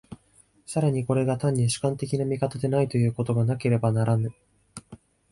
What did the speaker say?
更にこれが単に主観的な見方でないということがなければならぬ。